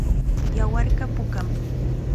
Yawarqa pukam.